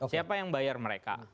siapa yang bayar mereka